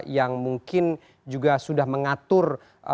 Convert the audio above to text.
yang mungkin juga sudah mengatur